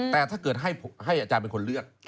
แต่ถ้าเกิดให้อาจารย์เป็นคนเลือก